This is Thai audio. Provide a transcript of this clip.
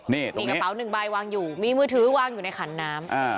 นี่มีกระเป๋าหนึ่งใบวางอยู่มีมือถือวางอยู่ในขันน้ำ